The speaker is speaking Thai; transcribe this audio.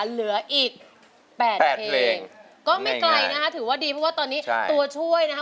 เหลืออีก๘เพลงก็ไม่ไกลนะคะถือว่าดีเพราะว่าตอนนี้ตัวช่วยนะคะ